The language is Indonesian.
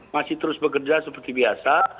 masih terus bekerja seperti biasa